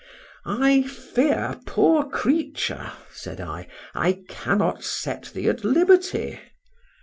—I fear, poor creature! said I, I cannot set thee at liberty.